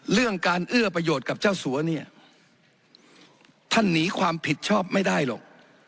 เรื่องการเอื้อประโยชน์กับเจ้าสัวเนี่ยท่านหนีความผิดชอบไม่ได้หรอก